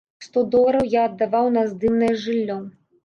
Сто долараў я аддаваў на здымнае жыллё.